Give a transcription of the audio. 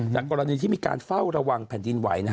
แต่กรณีที่มีการเฝ้าระวังแผ่นดินไหว